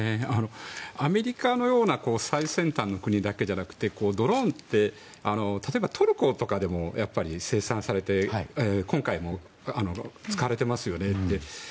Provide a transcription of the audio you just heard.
アメリカのような最先端の国だけじゃなくてドローンって例えばトルコとかでも生産されて今回も使われていますよね。